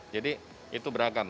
jadi itu beragam